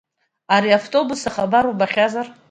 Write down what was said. Ари ҳавтобус ахабар убахьазар?